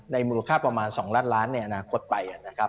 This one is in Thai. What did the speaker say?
ในมูลค่าประมาณ๒ล้านล้านบาทอนาคตไป